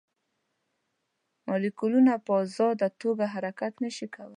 مالیکولونه په ازاده توګه حرکت نه شي کولی.